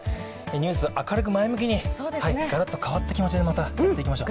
ニュースを明るく前向きにがらっと変わった気持ちでまたやっていきましょう。